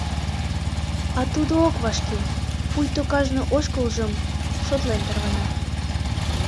А тудо ок вашке, пуйто кажне ошкылжым шотлен тарвана.